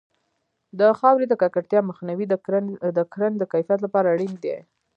د خاورې د ککړتیا مخنیوی د کرنې د کیفیت لپاره اړین دی.